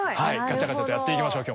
ガチャガチャとやっていきましょう